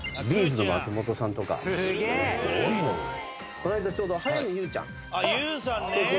こないだちょうど早見優ちゃんと。